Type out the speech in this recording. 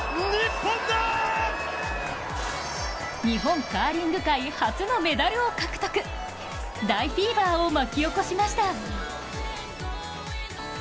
日本カーリング界初のメダルを獲得大フィーバーを巻き起こしました。